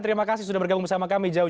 terimakasih sudah bergabung bersama kami